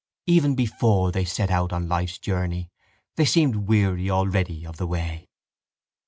Even before they set out on life's journey they seemed weary already of the way.